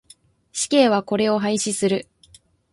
死刑はこれを廃止する。